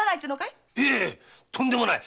いえとんでもない！